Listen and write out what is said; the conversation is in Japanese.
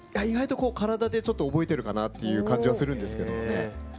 意外とこう体でちょっと覚えてるかなっていう感じはするんですけどもね。